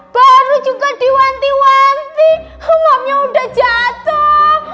baru juga diwanti wanti hemamnya udah jatuh